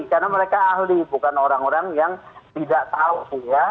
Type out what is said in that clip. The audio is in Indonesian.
karena mereka ahli bukan orang orang yang tidak tahu sih ya